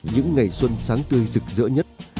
những ngày xuân sáng tươi rực rỡ nhất